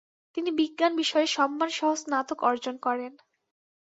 তিনি বিজ্ঞান বিষয়ে সম্মানসহ স্নাতক অর্জন করেন।